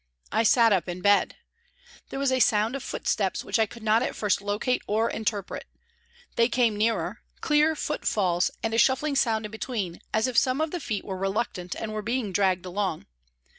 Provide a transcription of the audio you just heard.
I sat up in bed. There was a sound of footsteps which I could not at first locate or interpret. They came nearer, clear foot falls and a shuffling sound in between, as if some of the feet were reluctant and were being dragged along.